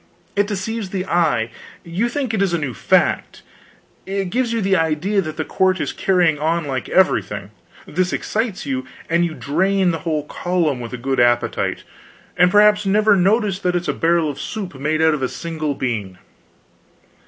It deceives the eye; you think it is a new fact; it gives you the idea that the court is carrying on like everything; this excites you, and you drain the whole column, with a good appetite, and perhaps never notice that it's a barrel of soup made out of a single bean.